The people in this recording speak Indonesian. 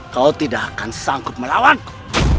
kau tidak akan sanggup melawanku